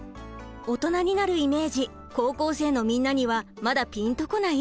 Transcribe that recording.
オトナになるイメージ高校生のみんなにはまだピンとこない？